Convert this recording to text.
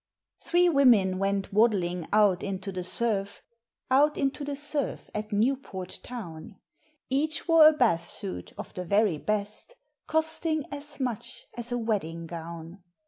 Three women went waddling out into the surf, Out into the surf at Newport town; Each wore a bath suit of the very best, Costing as much as a wedding gown.